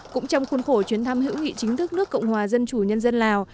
cũng trong khuôn khổ chuyến thăm hữu nghị chính thức nước cộng hòa dân chủ nhân dân lào